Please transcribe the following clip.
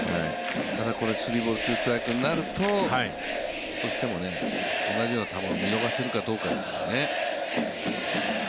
ただ、スリーボールツーストライクになるとどうしても同じような球を見逃せるかどうかですよね。